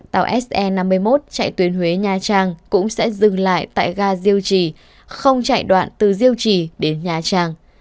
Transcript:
tàu se năm mươi một chạy tuyến huế nha trang cũng sẽ dừng lại tại ga diêu trì không chạy đoạn từ diêu trì đến nha trang